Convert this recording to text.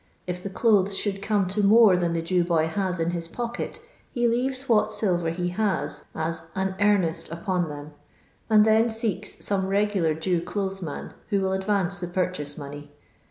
If the clothei ahonld cone to more than the Jew boy has in his pocket, he leoTes what silrer he has as " an earnest anon them," and then seeks some regular Jew clothei man, who will advance the purchase money.